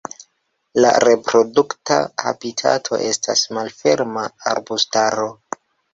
La reprodukta habitato estas malferma arbustaro.